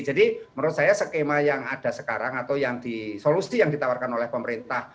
jadi menurut saya skema yang ada sekarang atau yang disolusi yang ditawarkan oleh pemerintah